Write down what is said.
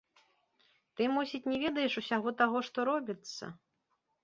Ты, мусіць, не ведаеш усяго таго, што робіцца?